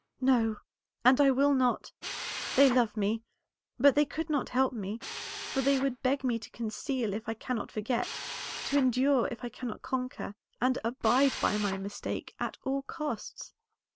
"No, and I will not. They love me, but they could not help me; for they would beg me to conceal if I cannot forget, to endure if I cannot conquer, and abide by my mistake at all costs.